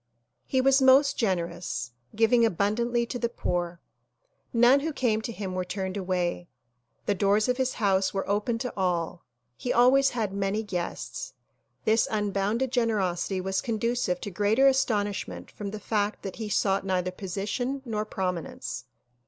He was most generous, giving abundantly to the poor. None who came to him were turned away. The doors of his house were open to all. He always had many guests. This unbounded gen erosity was conducive to greater astonishment from the fact that he sought neither position nor prominence.